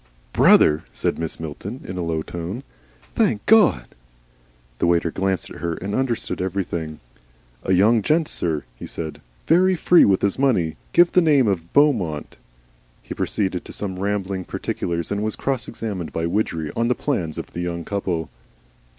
"Brother!" said Mrs. Milton, in a low tone. "Thank God!" The waiter glanced at her and understood everything. "A young gent, sir," he said, "very free with his money. Give the name of Beaumont." He proceeded to some rambling particulars, and was cross examined by Widgery on the plans of the young couple.